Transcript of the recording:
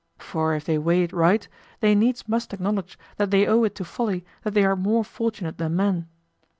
For if they weigh it right, they needs must acknowledge that they owe it to folly that they are more fortunate than men.